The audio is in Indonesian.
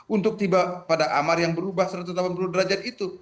untuk tiba pada amar yang berubah satu ratus delapan puluh derajat itu